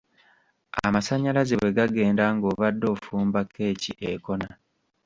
Amasannyalaze bwe gagenda ng'obadde ofumba kkeki ekona.